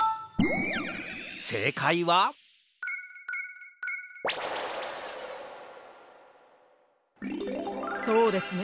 せいかいはそうですね